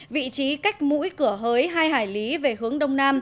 vị trí cách mũi cửa hới hai hải lý về hướng đông nam